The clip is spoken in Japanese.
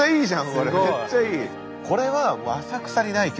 これめっちゃいい。